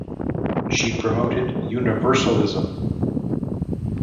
She promoted universalism.